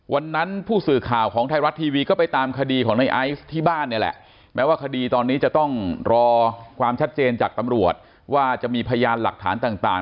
วันนั้นผู้สื่อข่าวของไทยรัฐทีวีก็ไปตามคดีของในไอซ์ที่บ้านเนี่ยแหละแม้ว่าคดีตอนนี้จะต้องรอความชัดเจนจากตำรวจว่าจะมีพยานหลักฐานต่าง